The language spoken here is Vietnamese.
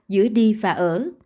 giữa đi và ở